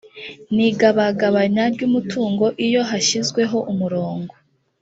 ni igabagabanya ry’umutungo iyo hashyizweho umurongo